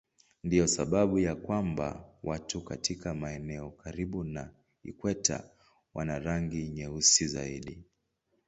Ndiyo sababu ya kwamba watu katika maeneo karibu na ikweta wana rangi nyeusi zaidi.